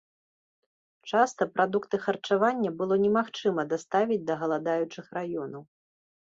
Часта прадукты харчавання было немагчыма даставіць да галадаючых раёнаў.